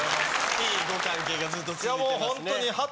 いいご関係がずっと続いてますね。